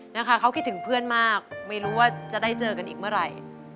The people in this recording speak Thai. มีความคิดถึงพื่นมากไม่น่าจะได้เจอกันอีกเมื่อไร